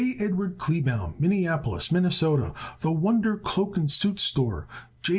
EDWARD KLEEBAUM, Minneapolis, Minn. The Wonder Cloak and Suit Store, J.